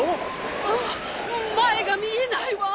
あっまえがみえないわ。